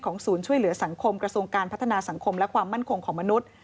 ศูนย์ช่วยเหลือสังคมกระทรวงการพัฒนาสังคมและความมั่นคงของมนุษย์